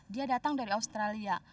dia datang dari australia